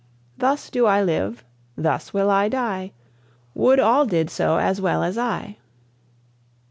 Thus do I live, thus will I die; Would all did so as well as I!